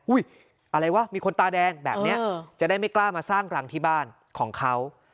อะไรวะมีคนตาแดงแบบนี้จะได้ไม่กล้ามาสร้างรังที่บ้านของเขา